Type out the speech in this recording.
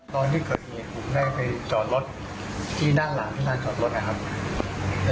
ก็มีภาษณ์เสียงได้แล้ว